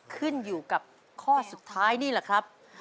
ขึ้นอยู่กับข้อสุดท้ายนี่แหละครับ